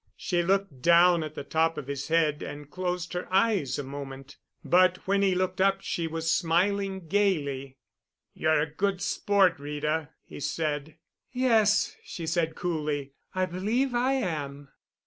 She looked down at the top of his head and closed her eyes a moment, but when he looked up she was smiling gaily. "You're a good sport, Rita," he said. "Yes," she said coolly, "I believe I am."